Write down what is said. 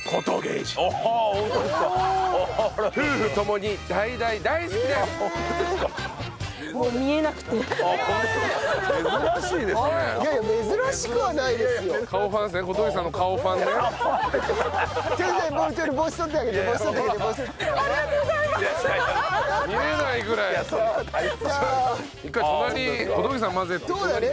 一回隣小峠さん混ぜて隣にね。